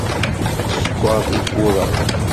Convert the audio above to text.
Skeṛ tiwwura.